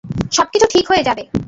সবকিছু ঠিক হয়ে যাবে।